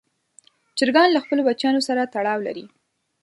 چرګان له خپلو بچیانو سره تړاو لري.